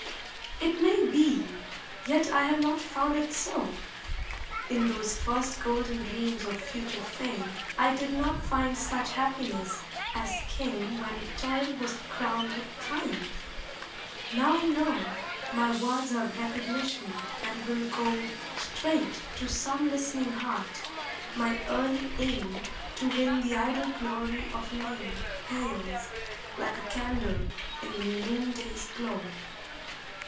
It may be, yet I have not found it so. In those first golden dreams of future fame I did not find such happiness as came When toil was crowned with triumph. Now I know My words have recognition and will go Straight to some listening heart my early aim To win the idle glory of a name Pales like a candle in the noonday's glow.